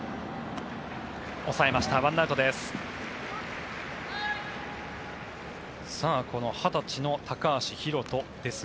抑えました、１アウトです。